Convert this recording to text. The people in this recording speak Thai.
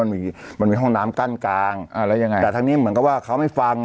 มันมีห้องน้ำกั้นกลางแต่ทางนี้เหมือนกับว่าเขาไม่ฟัง